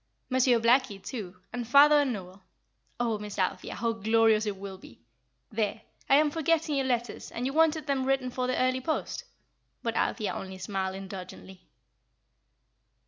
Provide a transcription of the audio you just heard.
Monsieur Blackie, too, and father and Noel. Oh, Miss Althea, how glorious it will be! There; I am forgetting your letters, and you wanted them written for the early post;" but Althea only smiled indulgently.